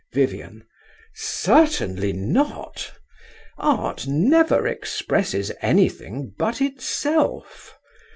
VIVIAN. Certainly not! Art never expresses anything but itself.